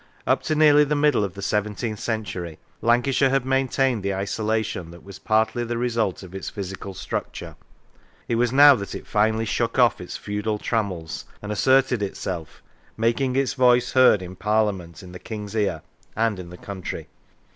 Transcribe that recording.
Up to nearly the middle of the seventeenth century Lancashire had maintained the isolation that was partly the result of its physical structure: it was now that it finally shook off its feudal trammels and asserted itself, making its voice heard in Parliament, in the King's ear, and in the country.